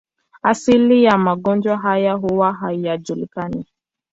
Asili ya magonjwa haya huwa hayajulikani.